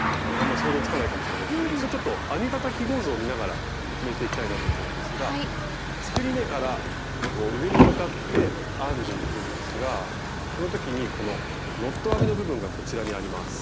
想像つかないかもしれないですけど一度ちょっと編み方記号図を見ながら説明していきたいなと思うんですが作り目から上に向かって編んでいくんですがその時にこのノット編みの部分がこちらにあります。